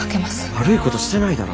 悪いことしてないだろ。